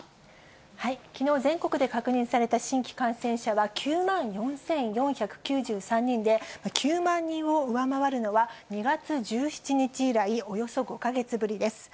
きのう、全国で確認された新規感染者は９万４４９３人で、９万人を上回るのは２月１７日以来、およそ５か月ぶりです。